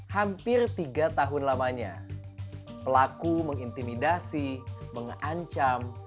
hampir tiga tahun lamanya pelaku mengintimidasi mengancam